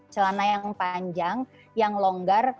celana yang panjang yang longgar